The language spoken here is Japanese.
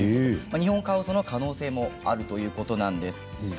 ニホンカワウソの可能性もあるということなんです。